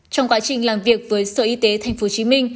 trong quá trình làm việc với sở y tế tp hcm